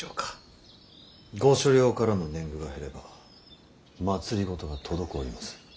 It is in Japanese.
御所領からの年貢が減れば政が滞ります。